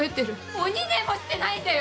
もう２年もしてないんだよ！